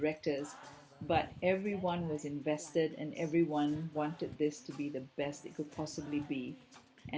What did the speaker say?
tetapi semua orang berinvestasi dan semua orang ingin ini menjadi yang terbaik yang bisa